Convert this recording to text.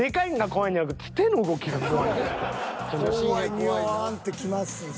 ニョワンって来ますし。